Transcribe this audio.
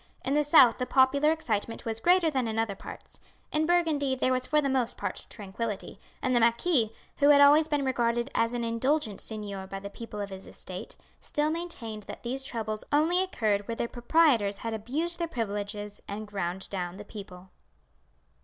In the south the popular excitement was greater than in other parts. In Burgundy there was for the most part tranquility; and the marquis, who had always been regarded as an indulgent seigneur by the people of his estate, still maintained that these troubles only occurred where the proprietors had abused their privileges and ground down the people.